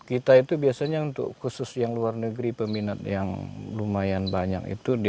nah kita itu biasanya untuk khusus yang luar negeri peminat yang lumayan banyak itu dia di sini